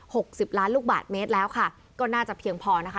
สิบล้านลูกบาทเมตรแล้วค่ะก็น่าจะเพียงพอนะคะ